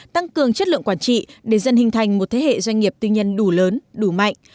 tăng cường chất lượng quản trị để dân hình thành một thế hệ doanh nghiệp tư nhân đủ lớn đủ mạnh